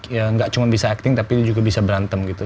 ya nggak cuma bisa acting tapi juga bisa berantem gitu